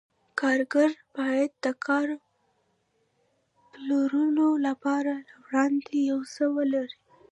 کارګر باید د کار پلورلو لپاره له وړاندې یو څه ولري